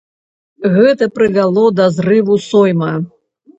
Гэта прывяло да зрыву сойма.